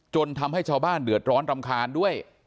ทำให้ชาวบ้านเดือดร้อนรำคาญด้วย